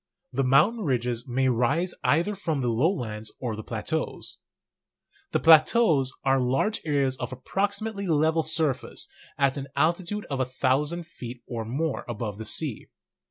The mountain ridges may rise either from the lowlands or the plateaus. The plateaus are large areas of approximately level surface at an altitude of a thousand feet or more above the sea.